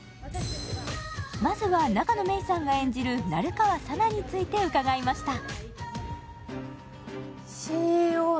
まずは永野芽郁さんが演じる成川佐奈についてうかがいました。